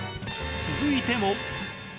続いても。